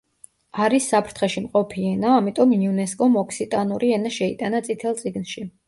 არის საფრთხეში მყოფი ენა, ამიტომ იუნესკომ ოქსიტანური ენა შეიტანა წითელ წიგნში.